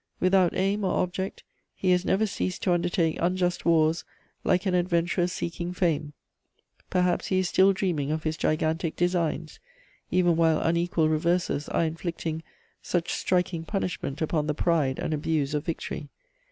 Without aim or object, he has never ceased to undertake unjust wars, like an adventurer seeking fame. Perhaps he is still dreaming of his gigantic designs, even while unequalled reverses are inflicting such striking punishment upon the pride and abuse of victory.